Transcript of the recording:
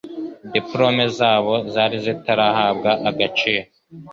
dipolome zabo zari zitarahabwa agaciro